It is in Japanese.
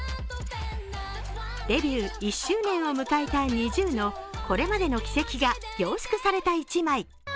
デビュー１周年を迎えたＮｉｚｉＵのこれまでの軌跡が凝縮された１枚。